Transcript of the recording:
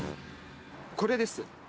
これです。